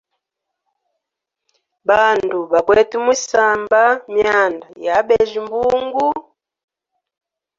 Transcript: Bandu bakwete mwisamba mwyanda ya abeja mbungu.